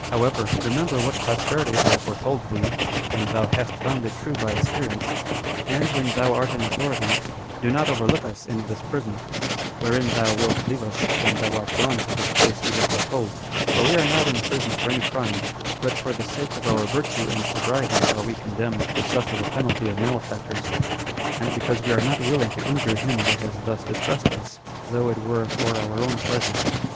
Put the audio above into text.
However, remember what prosperity I have foretold thee when thou hast found it true by experience; and when thou art in authority, do not overlook us in this prison, wherein thou wilt leave us when thou art gone to the place we have foretold; for we are not in prison for any crime; but for the sake of our virtue and sobriety are we condemned to suffer the penalty of malefactors, and because we are not willing to injure him that has thus distressed us, though it were for our own pleasure."